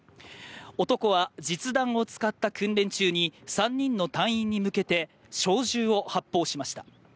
男は実弾を使った訓練中に３人の隊員に向けて小銃を発砲しました。